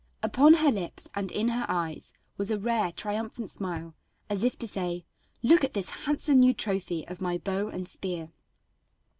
Upon her lips and in her eyes was a rare triumphant smile, as if to say: "Look at this handsome new trophy of my bow and spear."